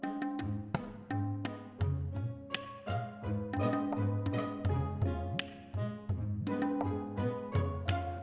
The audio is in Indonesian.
aku maaf pak aduh